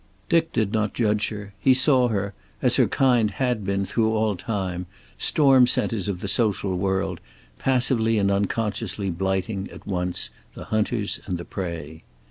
Dick did not judge her. He saw her, as her kind had been through all time, storm centers of the social world, passively and unconsciously blighting, at once the hunters and the prey.